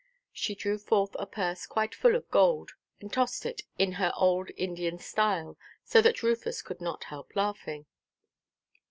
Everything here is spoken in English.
She drew forth a purse quite full of gold, and tossed it in her old Indian style, so that Rufus could not help laughing.